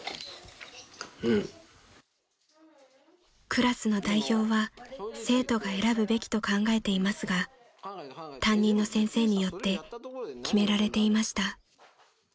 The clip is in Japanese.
［クラスの代表は生徒が選ぶべきと考えていますが担任の先生によって決められていました］